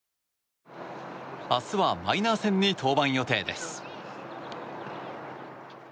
明日はマイナー戦に登板予定です。